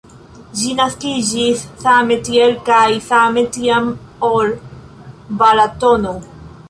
Ĝi naskiĝis same tiel kaj same tiam, ol Balatono.